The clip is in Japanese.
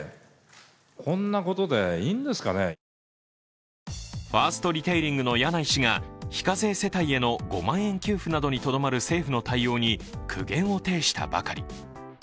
昨日はファーストリテイリングの柳井氏が非課税世帯への５万円給付などにとどまる政府の対応に苦言を呈したばかり。